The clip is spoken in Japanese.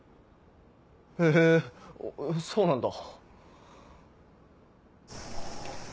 へぇそうなんだ。